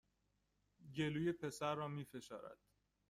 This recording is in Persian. گلوی پسر را می فشارد